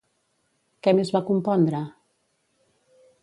Què més va compondre?